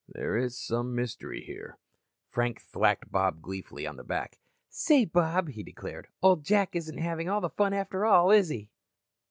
"There is some mystery here." Frank thwacked Bob gleefully on the back. "Say, Bob," he declared, "old Jack isn't having all the fun after all, is he?"